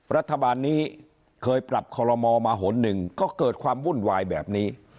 รัฐบาลนี้เคยปรับคอลโลมอลมาหนหนึ่งก็เกิดความวุ่นวายแบบนี้